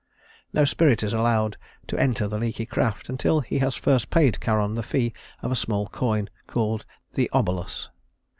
No spirit is allowed to enter the leaky craft until he has first paid Charon the fee of a small coin called the obolus.